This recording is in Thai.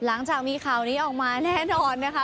หลังจากมีข่าวนี้ออกมาแน่นอนนะคะ